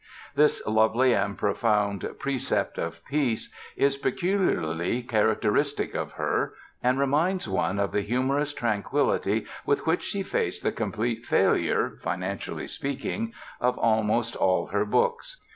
This lovely and profound "Precept of Peace" is peculiarly characteristic of her, and reminds one of the humorous tranquillity with which she faced the complete failure (financially speaking) of almost all her books.